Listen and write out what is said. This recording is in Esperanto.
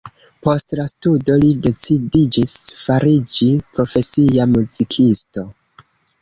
Post la studo li decidiĝis fariĝi profesia muzikisto.